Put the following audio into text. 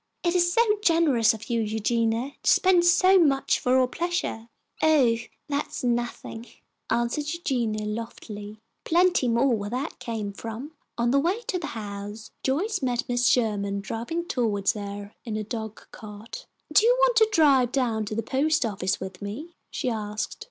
It is so generous of you, Eugenia, to spend so much for our pleasure!" "Oh, that's nothing," answered Eugenia, loftily. "Plenty more where that came from." On the way to the house, Joyce met Mrs. Sherman driving toward her in a dog cart. "Do you want to drive down to the post office with me?" she asked.